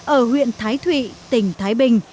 ở huyện thái thụy tỉnh thái bình